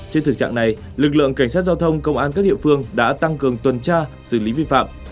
trên thực trạng này lực lượng cảnh sát giao thông công an các địa phương đã tăng cường tuần tra xử lý vi phạm